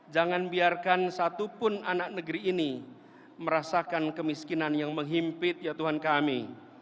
jangan biarkan satupun anak negeri ini merasakan kemiskinan yang menghimpit ya tuhan kami